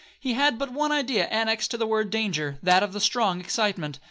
He had but one idea annexed to the word danger,—that of strong excitement.